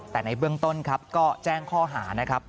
แต่ในเบื้องต้นครับก็แจ้งข้อหานะครับ